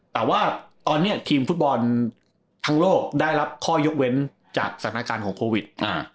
แต่ว่าตอนนี้ทีมฟุตบอลทั้งโลกได้รับข้อยกเว้นจากสถานการณ์ของโควิด